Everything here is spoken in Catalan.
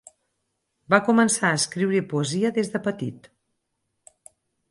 Va començar a escriure poesia des de petit.